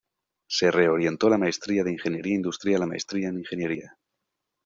Se reorientó la maestría de ingeniería industrial a maestría en ingeniería.